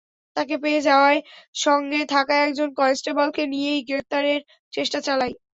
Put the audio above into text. তাঁকে পেয়ে যাওয়ায় সঙ্গে থাকা একজন কনস্টেবলকে নিয়েই গ্রেপ্তারের চেষ্টা চালাই।